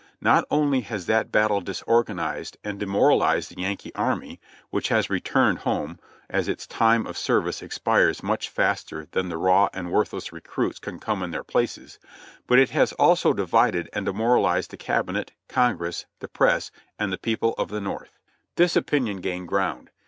Not only has that battle disorganized and demoralized the Yankee Army (which has returned home, as its time of service expires much faster than the raw and worthless recruits can come in their places), but it has also divided and demoralized the Cabinet, Con gress, the Press and the people of the North." CAMP NO CAMP 71 This opinion gained ground.